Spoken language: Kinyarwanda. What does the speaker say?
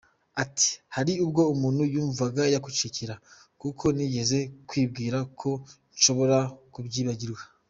Ati “Hari ubwo umuntu yumvaga yakwicecekera kuko nigeze kwibwira ko nshobora kubyibagirwa.